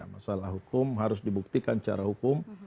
masalah hukum harus dibuktikan secara hukum